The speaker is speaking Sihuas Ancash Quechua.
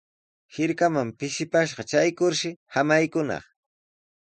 Hirkaman pishipashqa traykurshi samaykunaq.